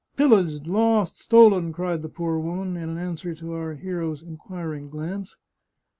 " Pillaged ! lost ! stolen !" cried the poor woman, in an swer to our hero's inquiring glance.